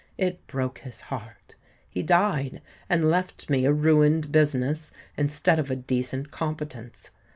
It broke his heart: he died, and left me a ruined business, instead of a decent competence.